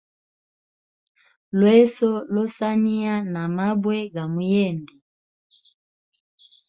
Lweso losaniya na mabwe ga muyende.